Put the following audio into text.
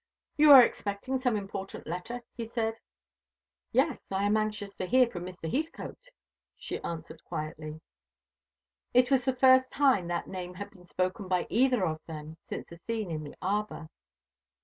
"You are expecting some important letter?" he said. "Yes, I am anxious to hear from Mr. Heathcote," she answered quietly. It was the first time that name had been spoken by either of them since the scene in the arbour.